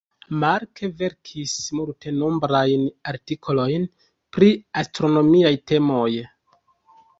Mark verkis multenombrajn artikolojn pri astronomiaj temoj.